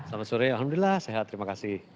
selamat sore alhamdulillah sehat terima kasih